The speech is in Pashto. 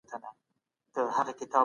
که حکومت پیاوړی نه وي قانون نه پلي کیږي.